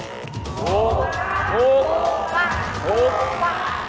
ถูก